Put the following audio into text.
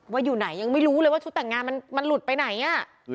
อยู่ไหนยังไม่รู้เลยว่าชุดแต่งงานมันหลุดไปไหนอ่ะ